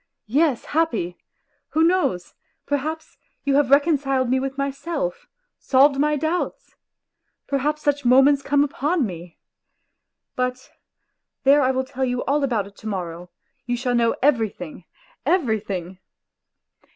Yes, happy; who knows, perhaps, you have reconciled me with myself, solved my doubts !... Perhaps such moments come upon me. ... But there I will tell you all about it to morrow, you shall know everything, everything.